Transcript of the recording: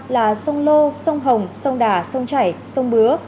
là sông lô sông hồng sông đà sông chảy sông bứa